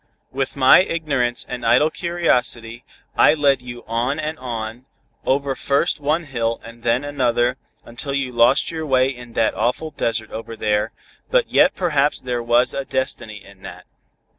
"With my ignorance and idle curiosity, I led you on and on, over first one hill and then another, until you lost your way in that awful desert over there, but yet perhaps there was a destiny in that.